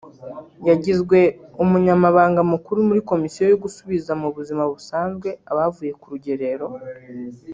yagizwe umunyamabanga mukuru muri Komisiyo yo gusubiza mu buzima busanzwe abavuye ku rugerero